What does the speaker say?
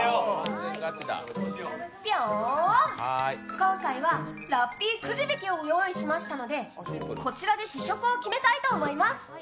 今回はラッピーくじ引きを用意しましたので、こちらで試食を決めたいと思います。